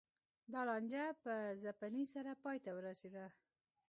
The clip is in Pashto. دا لانجه په ځپنې سره پای ته ورسېده